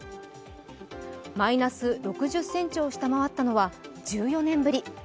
マイナス６０ｃｍを下回ったのは１４年ぶり。